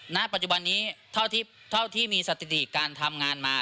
ณปัจจุบันนี้เท่าที่มีสถิติการทำงานมา